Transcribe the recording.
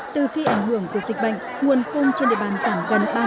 từ khi ảnh hưởng của dịch bệnh nguồn cung trên địa bàn giảm gần ba mươi